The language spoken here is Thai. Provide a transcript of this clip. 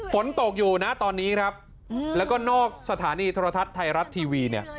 ฝนตกอยู่นะตอนนี้ครับแล้วก็นอกสถานีโทรทัศน์ไทยรัฐทีวีเนี่ย